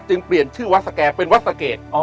เปลี่ยนชื่อวัดสแก่เป็นวัดสะเกด